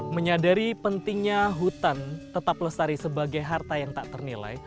menyadari pentingnya hutan tetap lestari sebagai harta yang tak ternilai